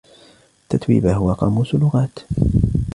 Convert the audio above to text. تتويبا هو قاموس لغات.